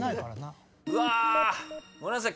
うわ！ごめんなさい。